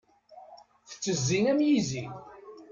Tettezzi am yizi.